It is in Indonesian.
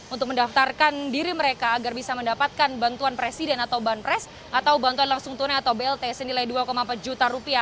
untuk mendaftarkan diri mereka agar bisa mendapatkan bantuan presiden atau banpres atau bantuan langsung tunai atau blt senilai rp dua empat juta